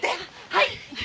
はい！